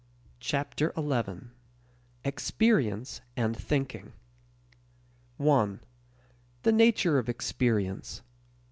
Chapter Eleven: Experience and Thinking 1. The Nature of Experience.